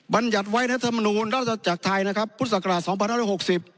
บรรยัดไว้ในธรรมนูญราชจากไทยพุทธศักราช๒๐๑๖